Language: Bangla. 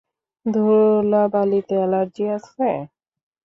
ধুলাবালিতে অ্যালার্জি আছে?